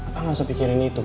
pa gak usah pikirin itu